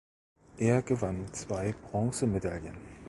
Er gewann zwei Bronzemedaillen.